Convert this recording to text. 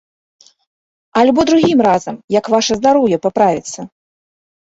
Альбо другім разам, як ваша здароўе паправіцца?